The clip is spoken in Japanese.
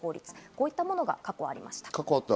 こういったものが過去ありました。